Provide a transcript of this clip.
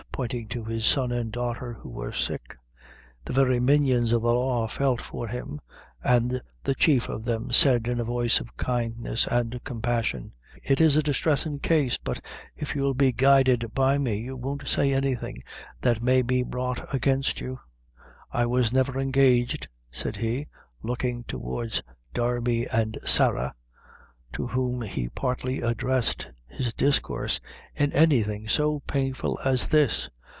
pointing to his son and daughter, who were sick. The very minions of the law felt for him; and the chief of them said, in a voice of kindness and compassion: "It's a distressin' case; but if you'll be guided by me, you won't say anything that may be brought against yourself. I was never engaged," said he, looking towards Darby and Sarah, to whom he partly addressed his discourse, "in anything so painful as this.